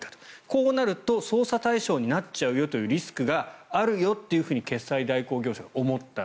こうなると捜査対象になっちゃうよというリスクがあるよというふうに決済代行業者が思った。